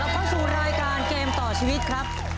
เข้าสู่รายการเกมต่อชีวิตครับ